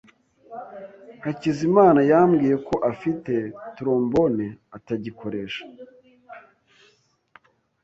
Hakizimana yambwiye ko afite trombone atagikoresha.